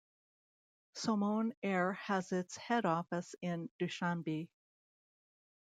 Somon Air has its head office in Dushanbe.